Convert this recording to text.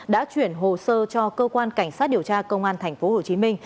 đã chuyển hồ sơ cho cơ quan cảnh sát điều tra công an tp hcm